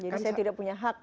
jadi saya tidak punya hak